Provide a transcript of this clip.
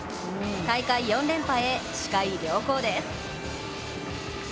大会４連覇へ視界良好です。